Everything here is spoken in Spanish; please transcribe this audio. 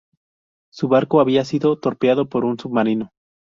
Su barco había sido torpedeado por un submarino.